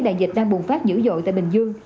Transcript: đại dịch đang bùng phát dữ dội tại bình dương